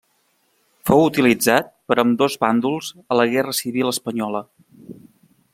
Fou utilitzat per ambdós bàndols a la Guerra civil espanyola.